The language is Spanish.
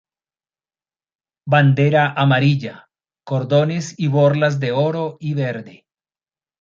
Bandera amarilla; cordones y borlas de oro y verde.